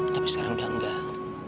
tapi sekarang udah enggak